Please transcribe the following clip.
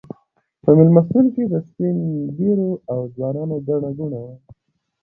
په مېلمستون کې د سپین ږیرو او ځوانانو ګڼه ګوڼه وه.